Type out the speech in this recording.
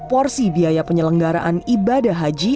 porsi biaya penyelenggaraan ibadah haji